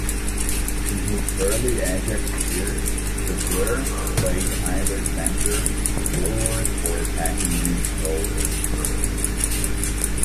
In his early Ajax years, De Boer played either centre forward or attacking midfielder.